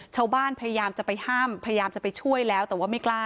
พยายามจะไปห้ามพยายามจะไปช่วยแล้วแต่ว่าไม่กล้า